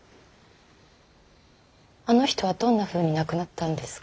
あの人はどんなふうに亡くなったんですか。